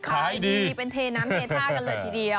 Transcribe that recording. ขายดีเป็นเทน้ำเทท่ากันเลยทีเดียว